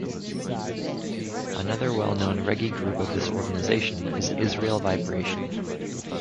Another well known reggae group of this organization is Israel Vibration.